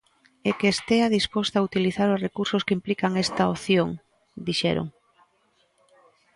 E que estea disposta a utilizar os recursos que implican esta opción, dixeron.